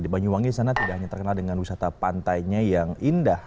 di banyuwangi sana tidak hanya terkenal dengan wisata pantainya yang indah